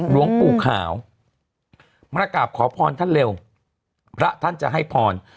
หลวงปู่ขาวมากราบขอพรท่านเร็วพระท่านจะให้พร